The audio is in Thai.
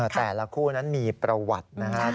แต่ละคู่นั้นมีประวัตินะครับ